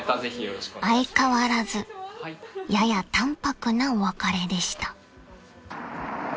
［相変わらずやや淡泊なお別れでした］